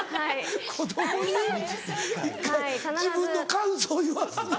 子供に１回自分の感想言わすの？